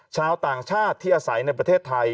ชาวต่างชาติที่อาศัยในประเทศไทย